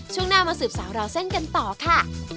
ช่วงหน้ามาสืบสาวราวเส้นกันต่อค่ะ